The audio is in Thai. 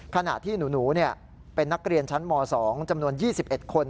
ขณะที่หนูเป็นนักเรียนชั้นม๒จำนวน๒๑คน